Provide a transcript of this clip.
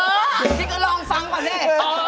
นี่ก็ลองฟังก่อนเนี่ย